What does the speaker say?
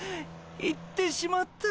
行ってしまった。